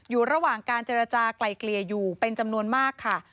อยู่ระหว่างการเจรจากลายเกลี่ยอยู่เป็นจำนวนมากค่ะ